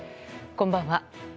こんばんは。